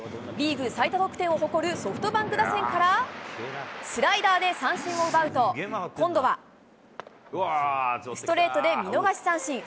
リーグ最多得点を誇るソフトバンク打線から、スライダーで三振を奪うと、今度は、ストレートで見逃し三振。